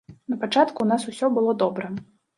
Напачатку ў нас усё было добра.